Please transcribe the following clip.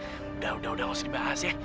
udah udah udah nggak usah dibahas ya